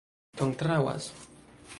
kontraŭas